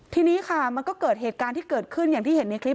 ทีนี้ค่ะมันก็เกิดเหตุการณ์ที่เกิดขึ้นอย่างที่เห็นในคลิป